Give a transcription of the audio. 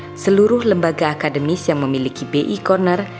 dan seluruh lembaga lembaga akademis yang memiliki bi corner